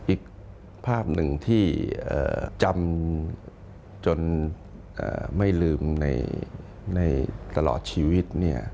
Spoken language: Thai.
อีกภาพหนึ่งที่จำจนไม่ลืมในตลอดชีวิต